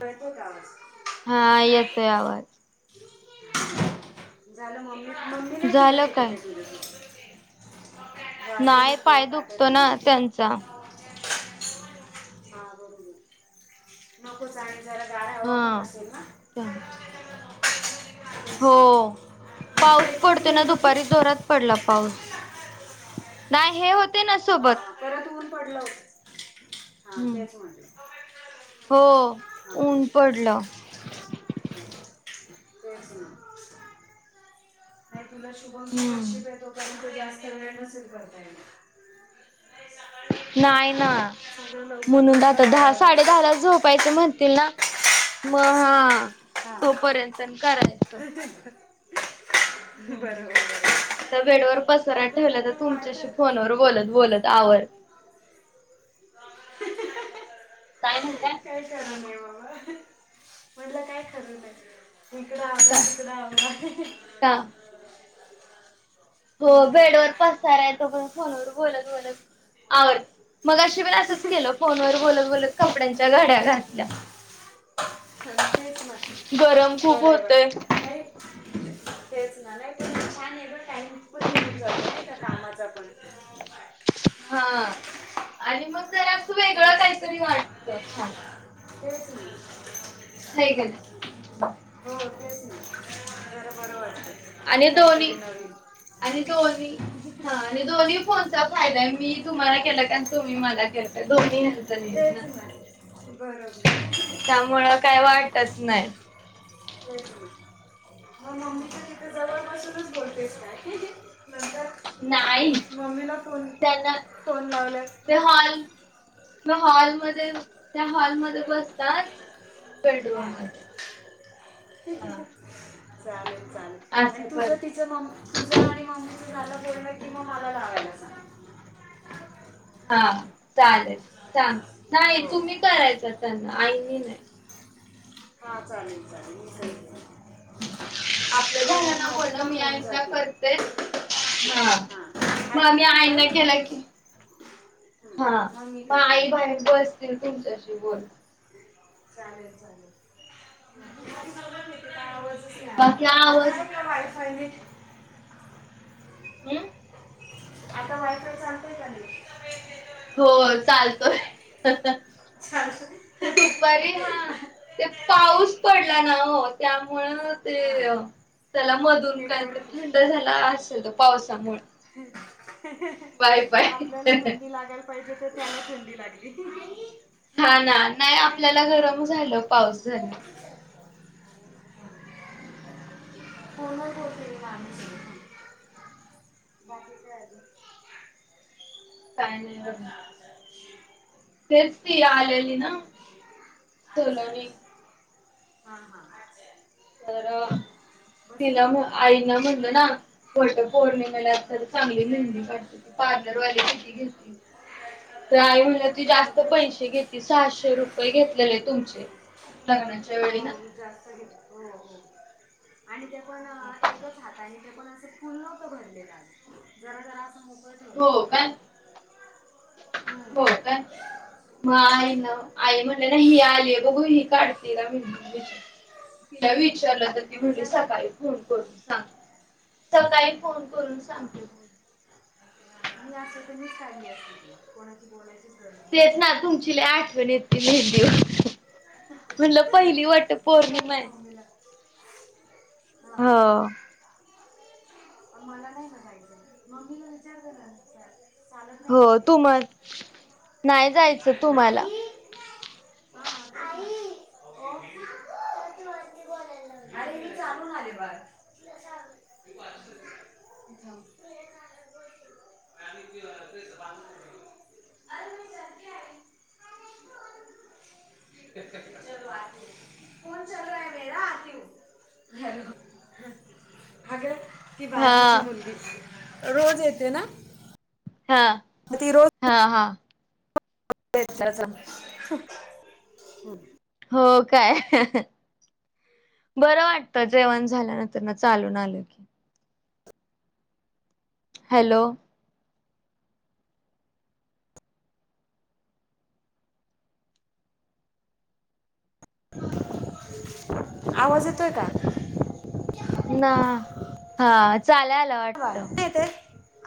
कळतो का आवाज हा येतोय आवाज. [unintelligible] झाल मम्मी मम्मी नाही फिरत झालं होती काय? त्या टिव्हीत नाहीय दोन दोन पाय दुखतो ना त्यांचा. हा बरोबर नको जाडी जरा गाडा हवा पण हा असेल ना? तेच हो ना. मग तू पाऊस एकटीच पडतो ना गेली होती दुपारी, जोरात पडला पाऊस. नाही. हे होते न हा परत ऊन पडल. हां हम्म तेच म्हणाल हां. हो हा ऊन ह. पडलं तेच म्हटलं. नाही ते तुला हम्म शुभमशीशपेतोत [unintelligible] सगळे नसेल करता येणारं. नाही ना. सगळं लवकर म्हणून लवकर आता दहा आवडावं साडे लागत दहा असेल ला झोपायचं म्हणतील ना. मग हा हां तोपर्यंत करायचं. बरोबर बरोबर. बेड वर पसारा नंतर ठेवलाय, तर नंतर तुमच्याशी वाढतं फोनवर बोलत बोलत आवर [inaudible] काय म्हणताय काही खर नाही म. [inaudible] म्हटलं काय खर नाहीये. इकडं आवरा का तिकडं आवरा का हो बेड वर पासाराय, तो पण फोनवर बोलत बोलत आवरते.. मगाशी पण असंच केलं फोनवर बोलत बोलत कपड्यांची च्या घड्या घातल्या. खरं तेच म्हंटल. गरम खूप बरंय बरय होतय. नाही तेच ना. नाई छान आहे बर का [unintelligible] पण निघून जातो कामाचा पण. हा आणि मग जरा असं वेगळं थोडंस काहीतरी वाटत छान. तेच ना. हाय का नाय? तेच नाजरां बरं वाटतंय आणि काहीतरी दोन्ही नवीन. आणि दोन्ही हा आणि दोन्ही फोनचा फायदाय, मी तुम्हाला केला का तुम्ही मला केला का दोन्ही हेंच तेच नियोजन ना बरोबर. ना त्यामुळं काय वाटत नाय. मम्मीच्या तिथ जवळ बसूनच बोलतेस काय? नंतर नाही मम्मीला फोन त्यांना फोन लावलाय बेहॉल म हॉलमध्ये त्या हॉलमध्ये बसतात आणि बेड हा रूम मध्ये हा. चालेल चालेल आणि असं तुझ करत तिच म, तुझ आणि मम्मीच झालं पूर्ण की मला लावायला सांग. हा चालेल सांग, हां नाही हो तुम्ही करायच त्यांना आईनी नाही.. हा चालेल चालेल मी करीन मग. आपलं झालना माझे बोलणं, पण मी होऊन आईना जातील करते. हा हां मग आधी मी तू कर आईना मग केलं तू की हं, हा मग मी म करते आई बाहेर मग बसतील तुमच्याशी बोलत. चालेल चालेल [unintelligible] [unintelligible] बाकी आवर आता वाई फायनली हम्म? आता वाईट चालतय का लगेच? हो चालतोय. [inaudible] चालतं दुपारी हा, ते पाऊस पडला ना ओ. म्हणून म हां ते त्याला मधून काहीतरी नेटवर्क इश्यू थंड झाला असेल त पावसामुळ. [inaudible] आपल्याला थंडी लागायला पाहिजे तर त्याला थंडी लागली. हा ना. नाही काय आपल्याला गरम झालं पाऊस झाल्यावर. फोन वर बोलतोय माणूस. बागेत हाय अजून. काय नाही बघा. तेच ती आलेली ना सलोनी. हा हा अच्छा. तर तिला होती का मग आईला म्हटलं ना, वटपौर्णिमा हां तर चांगली मेहंदी काढते. ती पार्लरवाली पैसे घेती. तर आई म्हणल्या ती हो जास्त तर पैसे घेती. सहाशे रुपये घेतलेले आहे तुमचे, लग्नाच्या वेळी ना. हो जास्त घेत हो हो आणि ते पण एकच हात आहे ते पण फुल न्हवत भरलेलं आहे. जरा जरा अस हो काय? हम्म. हो क? म आईना आई म्हण [unintelligible] विचारला तर ती मग म्हणली विचारलं का? सकाळी फोन करून सांग सकाळी. फोन करून बा सांगते म मी असते तर मीच काढली असती मग कोनाची तेच ना तुमची लय आठवण येतील एक दिवस. ह ह ह पौर्णिमा विचारला आहे. ना मामिला हो मला नाही करायचय मम्मीला विचार बर आमच्या. हो तुम्हाला नाही जायचं तुम्हाला. आई ओ अरे मी चालून आले बाळ. [unintelligible] चलो फोन चालू आहे ना. हॅलो अगं ती हा बाजूची मुलगी रोज येते ना हा हा हा हम हो काय. बरं वाटतं जेवण झाल्यानंतरन. चालून आलं की. हॅलो. आवाज येतोय का? ना हा चालेल्या आला वाटत. बाळ नाही येते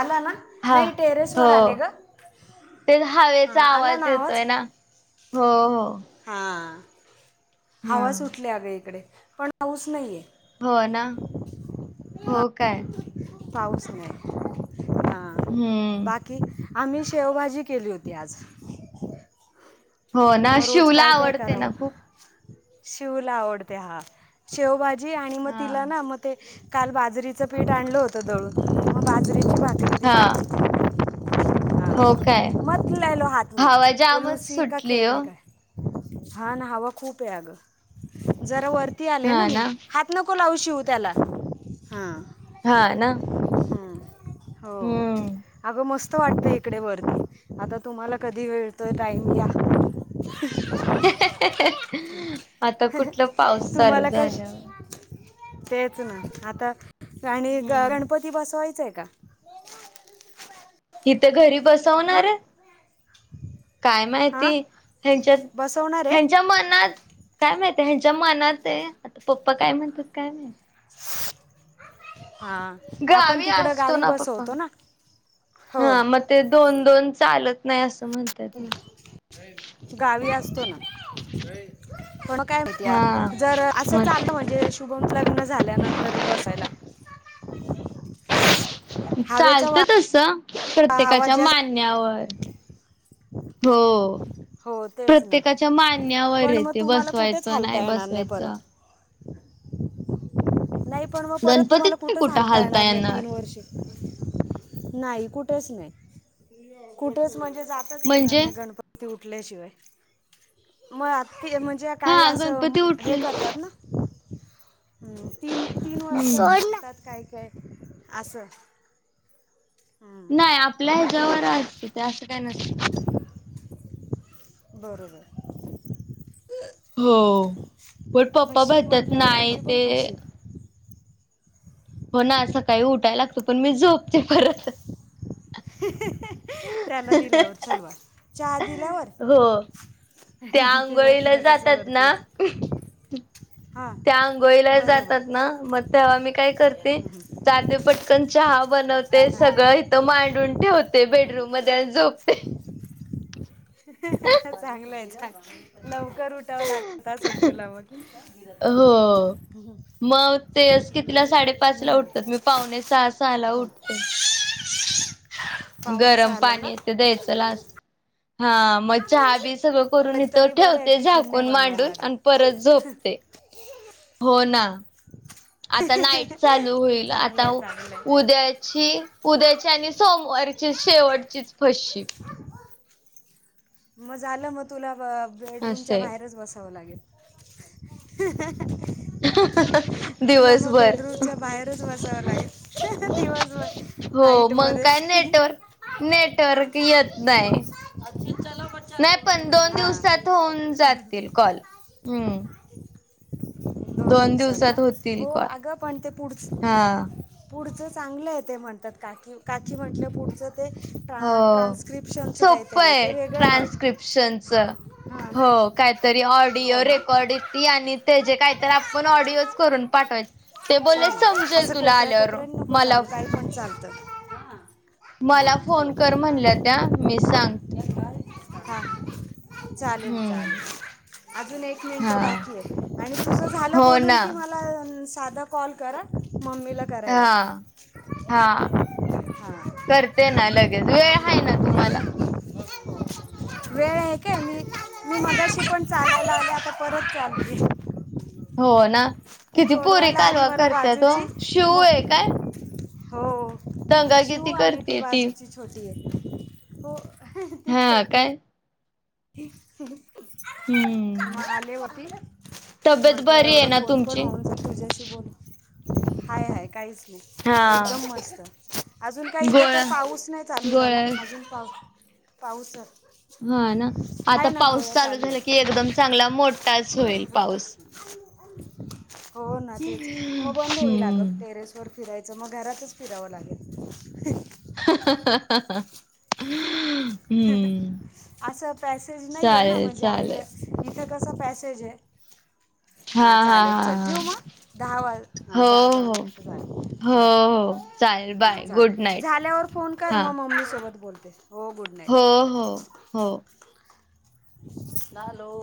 आला ना नाही टेरेसवर आले हो ग. ते हवेचा आवाज येतोय ना हो. हो. हां हा हवा सुठले अग इकडे. पण हऊस नाहीये. हो ना. हां हो काय. पाऊस नाही आहे. हा हम्म बाकी. आम्ही शेवभाजी केली होती आज. हो ना शिवला आवडते ना खूप. शेवला आवडते हा. शेवभाजी आणि मग हा तिला ना. मग ते. काल बाजरीचं पीठ आणलं होतं दळून. मग बाजरीची भाकरी हा. दिली हो काय. हां मत लेलो हातथ मे. हवा व जामच लूसी का सुटली हो खेळने का है. हा ना हवा खूप आहे अग. जरा वरती आले ना मी. हात नको लावु. शिव त्याला हा. हा ना हो हम्म अगं मस्त वाटत इकडे वरती. आता तुम्हाला कधी वळतोय टाईम या्. आता कुठलं पाऊस चालू तुम्हाला काय शि झाल्यावर तेच ना आता आणि ग हम्म गणपती बसवायच आहे. का [unintelligible] इथे घरी हां बसवणार ये? काय माहिती? हां हेच्यांत बसवणार आहे ह्यांच्या मनात काय माहितीय ह्याच्या मनात आहे, आता पप्पा काय म्हणतात काय माहित? [unintelligible] आपण गावी तिकडं असतो गावी ना पप्पा बसवतो ना हो हा मग ते दोन दोन चालतं नाही असं. म्हणतात ना गावी असतो ना [unintelligible] काय हा होती जर असं मग चाललं, म्हणजे शुभम लग्न झाल्यानंतर बसायला [unintelligible] हवेचा चालत वा तसं आवाज प्रत्येकाच्या जास्त मानण्यावरं. हो. हो तेच ना प्रत्येकाच्या मान्यावर पण य मग ते तुम्हाला कुठेच बसवायचं नाही हालता येणार परत बसवायचं. नाही पण मग परत तुम्हाला गणपतीत नाही कुठंच कुठं हालता येणार नाही तीन वर्षे. नाही कुठेच नाही, कुठेच म्हणजे जाताच येणार म्हणजे नाही, गणपती उठल्या शिवाय मग आ ते म्हणजे काही हा असं गणपती हे उठले करतात ना? हम्म, तीन तीन वर्ष हम्म करतात, सोड ना काही काही असं. नाही हम्म, आपल्या ह्याज्यावर असतं ते असं काय नसतं. बरोबरं. हो, पण पप्पा फशीप म्हणत्यात म्हटल्यावर नाही तुझी ते पण फशीप हो ना, सकाळी उठायला लागतं पण मी झोपते परत. त्याला दिल्यावर चलवा चहा दिल्यावर हो त्या त्याला आंघोळीला तिला कसं जातात वरती ना. होत हां त्या आंघोळीला बरोबर जातात ना. मग तेव्हा मी काय करते जातेघ पटकन चहा. चहा बनवते. सगळं इथ मांडून ठेवते. बेडरूम मध्ये आणि झोपते. चांगलं आहे चांगल लव कर उठावला [unintelligible] तुला मग हो. मग तेच कितीला साडेपाच ला उठतात मी पावणे सहा सहा ला उठते. [unintelligible] [unintelligible] पाहुणे गरम सहाला ना पाणी ते द्यायचं लास्ट. हां मग चहा बी सगळं करून तरी इथं तरी बरं आहे ठेवते टिफिन नाही झाकून मांडून बनवायला आणि लागत परत झोपते. हो ना. [inaudible] आता नाईट चालू होईल चांगलं आता आहे चांगलं आहे उद्याची उद्याची आणि सोमवारची शेवटचीच फशी. मग झालं मग तुला बेडरूमच्या असे बाहेरच बसा हो लागेल. [inaudible] तुला मग दिवसभर बेडरूमच्या बाहेरच बसावं लागेल दिवसभर हो मग नाईटमध्ये. काय नेटवर्क नेटवर्क येत नाही. अच्छा चल नाही पण दोन दिवसात होऊन जातील कॉल हम्म. दोन दिवसात ना हो अग पण ते पुढच हा पुढचच चांगलं आहे ते म्हणतात काकी काकी म्हटलं पुढचं ते ट्रा ट्रान्स्क्रिप्शनचं काहीतरी आहे. ते काय वेगळं आहे वाटतं ट्रान्स्क्रिप्शनच हां हो ना काहीतरी. ऑडिओ हो ना रेकॉर्ड ती आणि त्या जे काय तर आपण ऑडिओच करून पाठवायच. चल असं कोपऱ्या कोपऱ्यान नको मला चालू काय पण चालतं. मला हां चलो फोन कर म्हणल्या त्या मी सांग हां चालेल हम्म चालेल. अजून एक मिनिट हा बाकी आहे आणि तुझं झालं हो बोलून ना कि मला साधा कॉल कर हां. हां हां हां करते ना लगेच. वेळ आहे ना तुम्हाला? वेळ आहे काय मी मी मघाशी पण चालयला आले आता परत चालते. हो ना किती पुरी कालवा मला करत्यात ओ बाजूची शिव आहे मग काय? हो दंगा शिव किती आणि ती करते बाजूची छोटी आहे. हो ती हा छोटी काय हम्म. [unintelligible] मग आले होती तब्येत म्हंटलं बरी आहे एवढा ना फोन पण तुमची होऊन जा तुझ्याशी बोलून. हाय हाय काहीच हा एकदम मस्त अजून काही इथे तर गोळ्या पाऊस नाही चालू झाला. गोळ्या अजून पाऊस पाऊस [unintelligible] हां ना, आता आहे ना पाऊस गोळ्या चालू झाला की आहे एकदम चांगला मोठाच होईल पाऊस. हो ना, तेच मग बंद होईल अगं हम्म टेरेस वर फिराय च मग घरातच फिरावं लागेल. [unintelligible] हम्म असं पॅसेज नाही हे ना, चालेल म्हणजे चालेल. आपलं इथे कसा पॅसेज हे. हा हां हा चालेल हा चल हा ठेऊ मग दहा वाज हां हो दहा, दहा हो मिनिटे झाले हो बाय. हो चालेल हां बाय गुड चालेल नाईट. झाल्यावर फोन कर हा म मम्मी सोबत बोलते हो गुड नाईट. हो हो हो. लालो